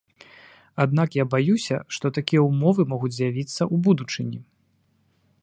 Аднак я баюся, што такія ўмовы могуць з'явіцца ў будучыні.